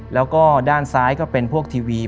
แล้วก็ด้านซ้ายก็เป็นพวกทีวี